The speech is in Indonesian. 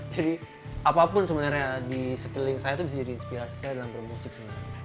jadi apapun sebenarnya di sekeliling saya tuh bisa jadi inspirasi saya dalam bermusik sebenarnya